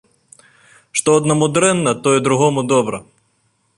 Што аднаму дрэнна, тое другому добра.